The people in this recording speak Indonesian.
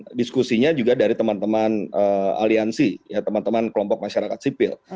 nah diskusinya juga dari teman teman aliansi teman teman kelompok masyarakat sipil